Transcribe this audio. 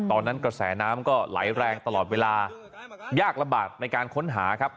กระแสน้ำก็ไหลแรงตลอดเวลายากลำบากในการค้นหาครับ